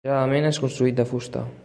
Generalment és construït de fusta.